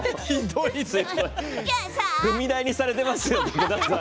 踏み台にされてます！